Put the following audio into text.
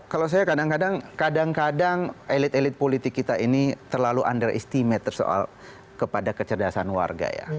kalau saya kadang kadang kadang elit elit politik kita ini terlalu underestimate soal kepada kecerdasan warga ya